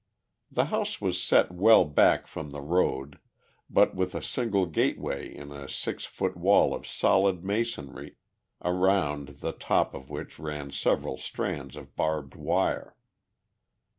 The house was set well back from the road, with but a single gateway in a six foot wall of solid masonry, around the top of which ran several strands of barbed wire.